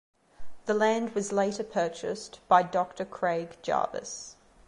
The land was later purchased by Doctor Craig Jarvis.